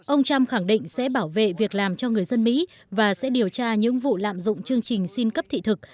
ông trump khẳng định sẽ bảo vệ việc làm cho người dân mỹ và sẽ điều tra những vụ lạm dụng chương trình xin cấp thị thực